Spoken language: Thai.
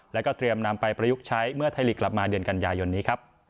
แล้วก็เตรียมนำไปประยุกต์ใช้เมื่อไทยลีกกลับมาเดือนกันยายนนี้ครับ